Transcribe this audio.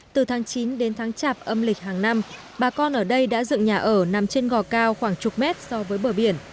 từ tháng chín đến tháng chạp âm lịch hàng năm bà con ở đây đã dựng nhà ở nằm trên gò cao khoảng chục mét so với bờ biển